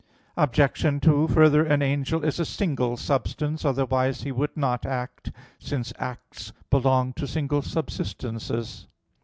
Obj. 2: Further, an angel is a single substance, otherwise he would not act, since acts belong to single subsistences.